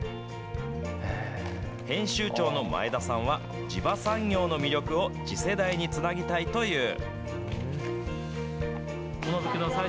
編集長の前田さんは、地場産業の魅力を次世代につなぎたいという。